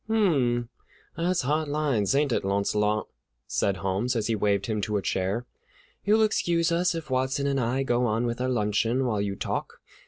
"Hum, that's hard lines, ain't it, Launcelot?" said Holmes, as he waved him to a chair; "you'll excuse us if Watson and I go on with our luncheon while you talk.